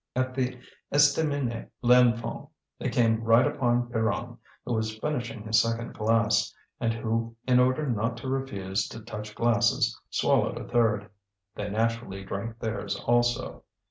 At the Estaminet Lenfant they came right upon Pierron, who was finishing his second glass, and who, in order not to refuse to touch glasses, swallowed a third. They naturally drank theirs also.